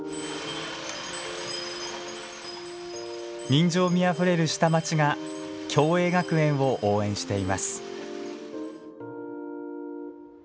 人情味あふれる下町が共栄学園を応援しています。